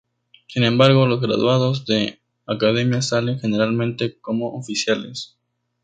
Sin embargo, los graduados de la Academia salen generalmente como oficiales.